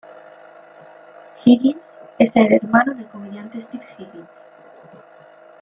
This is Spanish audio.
Higgins es hermano del comediante Steve Higgins.